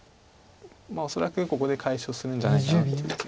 恐らくここで解消するんじゃないかなという。